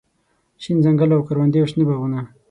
شين ځنګل او کروندې او شنه باغونه